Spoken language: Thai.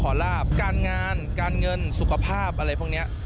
ลาบการงานการเงินสุขภาพอะไรพวกนี้